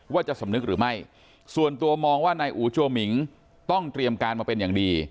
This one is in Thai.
จะสำนึกหรือไม่ส่วนตัวมองว่านายอูจัวหมิงต้องเตรียมการมาเป็นอย่างดี